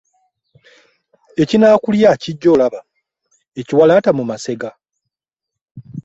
Ekinakulya kijja olaba, ekiwalaata mu masega.